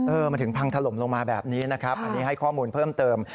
มันถึงพังถล่มลงมาแบบนี้นะครับอันนี้ให้ข้อมูลเพิ่มเติม